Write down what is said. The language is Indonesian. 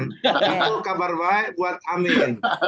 itu kabar baik buat amin